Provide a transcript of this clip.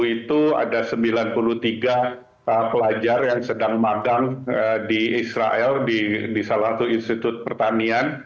itu ada sembilan puluh tiga pelajar yang sedang madang di israel di salah satu institut pertanian